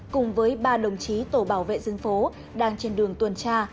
cùng với ba đồng chí tổ bảo vệ dân phố đang trên đường tuần tra